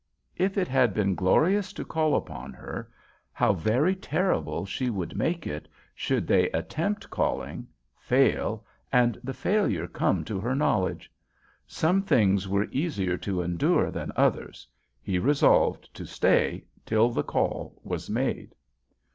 If it had been glorious to call upon her, how very terrible she would make it should they attempt calling, fail, and the failure come to her knowledge! Some things were easier to endure than others; he resolved to stay till the call was made.